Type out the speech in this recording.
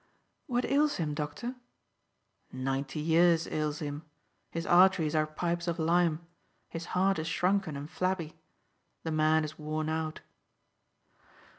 "What ails him, doctor?" "Ninety years ails him. His arteries are pipes of lime. His heart is shrunken and flabby. The man is worn out."